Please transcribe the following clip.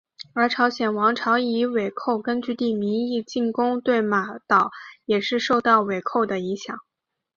而朝鲜王朝以倭寇根据地名义进攻对马岛也是受到倭寇的影响。